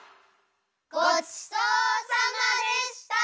ごちそうさまでした！